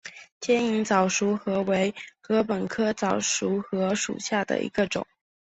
尖颖早熟禾为禾本科早熟禾属下的一个种。